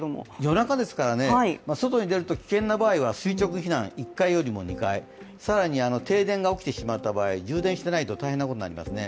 夜中ですからね、外に出ると危険なときは垂直避難、１階よりも２階、更に停電してしまうと充電していないと大変なことになりますね。